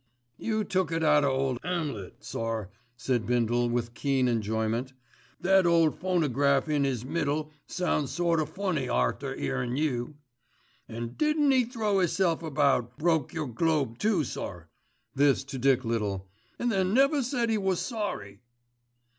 "You took it out of ole 'Amlet, sir," said Bindle with keen enjoyment. "That ole phonograph in 'is middle sounds sort o' funny arter 'earin' you. An' didn't 'e throw 'isself about, broke your globe too, sir," this to Dick Little, "an' then never said 'e was sorry."